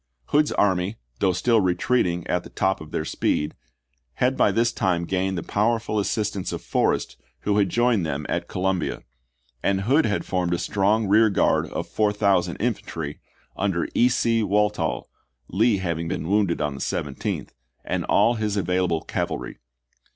Hood's army, though still retreating at the top of their speed, had by this time gained the powerful assist ance of Forrest, who had joined them at Columbia ; and Hood had formed a strong rear guard of four FBANKLIN AND NASHVILLE 35 thousand infantry, under E. C. Walthall, — Lee having been wounded on the 17th, — and all his available cavalry.